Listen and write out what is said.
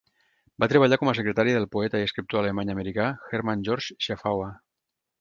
Va treballar com a secretària del poeta i escriptor alemany-americà, Herman George Scheffauer.